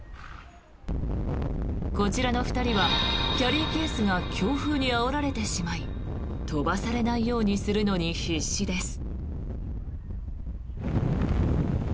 こちらの２人はキャリーケースが強風にあおられてしまい飛ばされないようにするのに必死です。